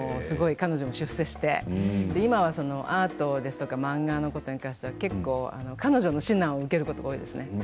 すごい彼女も出世して今はアートですとか漫画のことに関しては結構彼女の指南を受けることが多いですね。